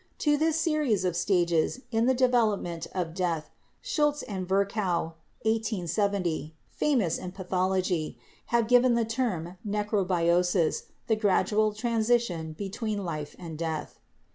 To this series of stages in the develop ment of death Schultze and Virchow (1870), famous in pathology, have given the term 'necrobiosis/ the gradual transition between life and death.